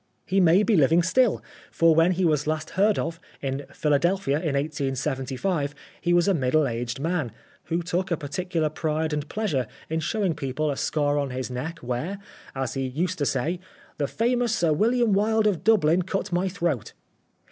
He may be living still, for when he was last heard of, in Philadelphia in 1875, he was a middle aged man, who took a particular pride and pleasure in showing people a scar on his neck " where," as he used to say, " the famous Sir William Wilde of Dublin cut my throat."